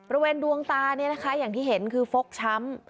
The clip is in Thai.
บริเวณดวงตาเนี่ยนะคะอย่างที่เห็นคือฟกช้ำ